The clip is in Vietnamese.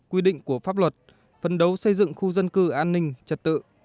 quy định của pháp luật phấn đấu xây dựng khu dân cư an ninh trật tự